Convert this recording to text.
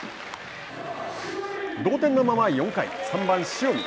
同点のまま４回３番塩見。